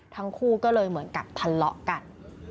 ทั้งคู่ก็เลยเหมือนกับทะเลาะกัน